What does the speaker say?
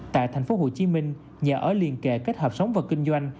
tại thành phố hồ chí minh nhà ở liên kệ kết hợp sống và kinh doanh